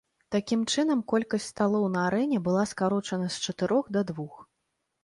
Такім чынам, колькасць сталоў на арэне была скарочана з чатырох да двух.